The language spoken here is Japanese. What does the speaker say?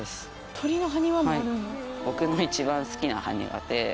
鳥の埴輪もあるの？